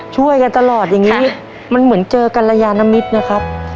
ช่วยกันตลอดอย่างนี้มันเหมือนเจอกัลยานมิตรนะครับ